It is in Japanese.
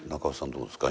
どうですか？